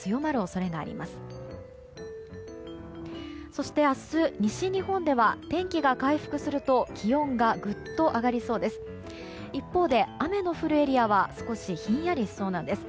そして明日、西日本では天気が回復すると気温がぐっと上がりそうです。